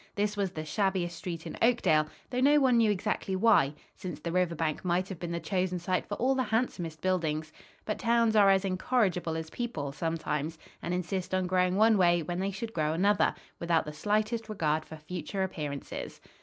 This was the shabbiest street in Oakdale, though no one knew exactly why, since the river bank might have been the chosen site for all the handsomest buildings; but towns are as incorrigible as people, sometimes, and insist on growing one way when they should grow another, without the slightest regard for future appearances.